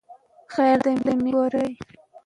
يوازي رياست ته سټيټ هم وايي چې دا دمملكت عام نوم دى